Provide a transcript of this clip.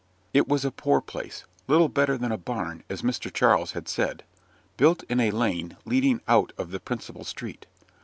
It was a poor place little better than a barn, as Mr. Charles had said built in a lane leading out of the principal street.